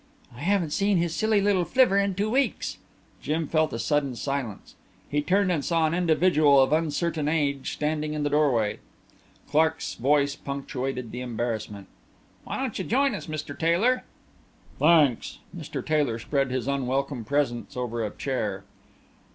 "I haven't seen his silly little flivver in two weeks." Jim felt a sudden silence. He turned and saw an individual of uncertain age standing in the doorway. Clark's voice punctuated the embarrassment. "Won't you join us, Mr. Taylor?" "Thanks." Mr. Taylor spread his unwelcome presence over a chair.